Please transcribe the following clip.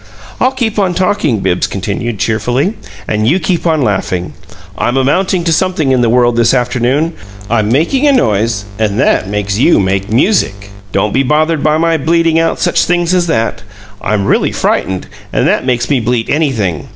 "I'll keep on talking," Bibbs continued, cheerfully, "and you keep on laughing. I'm amounting to something in the world this afternoon. I'm making a noise, and that makes you make music. Don't be bothered by my bleating out such things as that. I'm really frightened, and that makes me bleat anything.